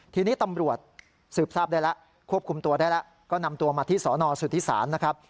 ทีนี้ตำรวจสืบทราบได้แล้วควบคุมตัวได้แล้วก็นำตัวมาที่สนสุธิศาลนะครับ